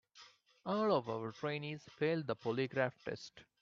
All of our trainees failed the polygraph test.